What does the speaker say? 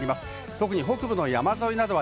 特に北部の山沿いなどは